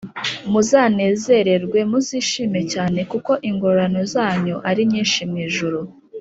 Muzanezerwe, muzishime cyane kuko ingororano zanyu ari nyinshi mu ijuru